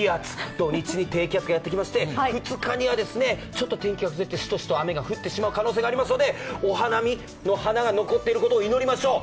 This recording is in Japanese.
土日に低気圧がやってきましたが２日には天気が崩れてしとしと降ってしまう可能性がありますのでお花見の花が残ってることを祈りましょう。